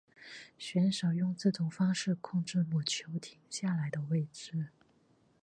选手用这种方式控制母球停下来的位置。